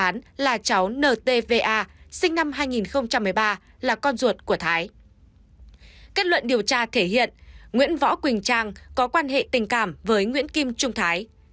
nhân võ quỳnh trang có quan hệ tình cảm với nguyễn kim trung thái